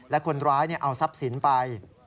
และคนร้ายเอาทรัพย์สินไป